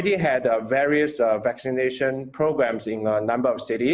kita sudah memiliki beberapa program vaksinasi di beberapa kota